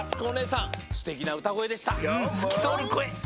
すきとおるこえ！